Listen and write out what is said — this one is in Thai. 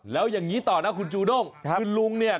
แล้วอย่างนี้ต่อนะคุณจูด้งคือลุงเนี่ย